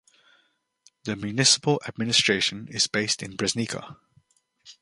The municipal administration is based in Breznica.